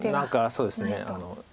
そうですね。